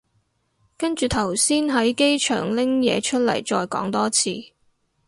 跟住頭先喺機場拎嘢出嚟再講多次